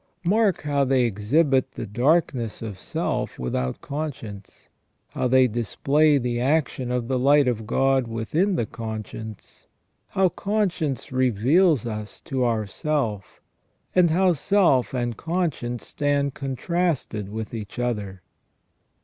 Mark how they exhibit the darkness of self without conscience ; how they display the action of the light of God within the conscience ; how conscience reveals us to ourself ; and how self and conscience stand contrasted with each other.